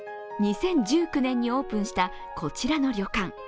２０１９年にオープンしたこちらの旅館。